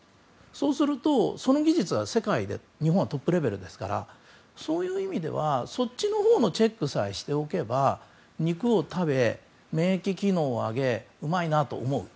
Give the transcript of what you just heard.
そうすると、その技術は世界で日本はトップレベルですからそういう意味ではそっちのほうのチェックさえしておけば肉を食べ、免疫機能を上げうまいなと思う。